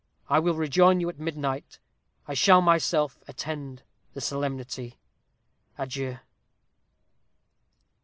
I will rejoin you at midnight. I shall myself attend the solemnity. Adieu!"